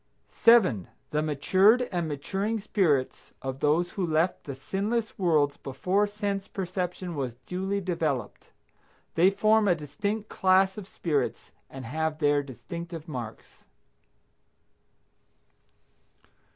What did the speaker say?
7. The matured and maturing spirits of those who left the sinless worlds before sense perception was duly developed. They form a distinct class of spirits and have their distinctive marks.